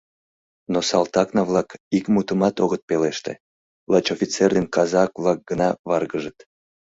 Но салтакна-влак ик мутымат огыт пелеште, лач офицер ден казак-влак гына варгыжыт.